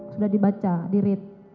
sudah dibaca di read